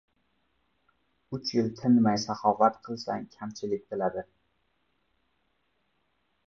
• Uch yil tinmay saxovat qilsang — kamchilik biladi